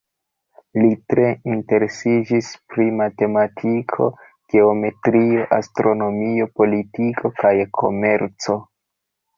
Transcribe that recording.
Li tre interesiĝis pri matematiko, geometrio, astronomio, politiko, kaj komerco.